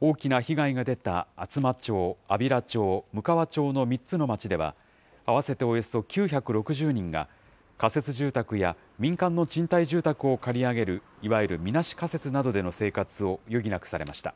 大きな被害が出た厚真町、安平町、むかわ町の３つの町では、合わせておよそ９６０人が、仮設住宅や民間の賃貸住宅を借り上げるいわゆるみなし仮設などでの生活を余儀なくされました。